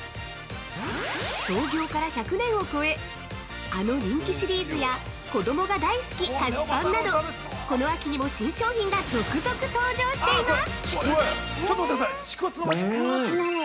創業から１００年を超え、あの人気シリーズや子供が大好き菓子パンなどこの秋にも新商品が続々登場しています！